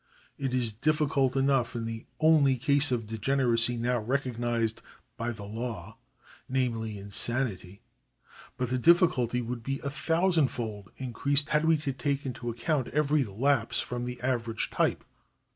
It is difficult enough in the only case of degeneracy now recognised by the law, namely insanity ; but the difficulty would be a thousand fold in creased had we to take account of every lapse from the average type.